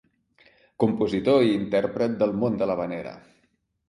Compositor i intèrpret del món de l’havanera.